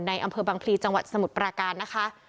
อำเภอบังพลีจังหวัดสมุทรปราการนะคะ